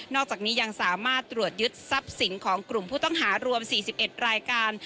อกจากนี้ยังสามารถตรวจยึดทรัพย์สินของกลุ่มผู้ต้องหารวม๔๑รายการ